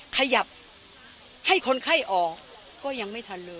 ขยับให้คนไข้ออกก็ยังไม่ทันเลย